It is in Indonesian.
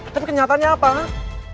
tapi kenyataannya apa kan